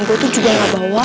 gue tuh juga gak bawa